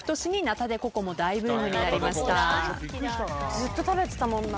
ずっと食べてたもんな。